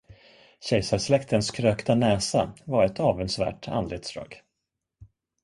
Kejsarsläktens krökta näsa var ett avundsvärt anletsdrag.